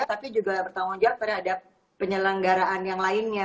tapi juga bertanggung jawab terhadap penyelenggaraan yang lainnya